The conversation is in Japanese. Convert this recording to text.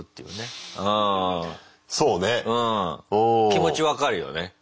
気持ち分かるよね。